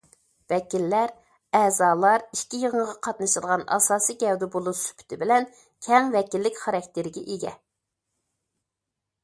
ۋەكىللەر، ئەزالار ئىككى يىغىنغا قاتنىشىدىغان ئاساسىي گەۋدە بولۇش سۈپىتى بىلەن، كەڭ ۋەكىللىك خاراكتېرىگە ئىگە.